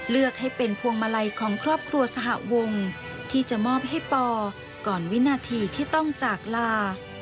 เลือกให้เป็นพวงมาลัยของครอบครัวสหวงที่จะมอบให้ปอก่อนวินาทีที่ต้องจากลา